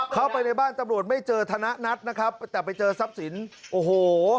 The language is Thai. เข้าไปในบ้านตำรวจไม่เจอธนัทนะครับแต่ไปเจอทรัพย์สินโอ้โห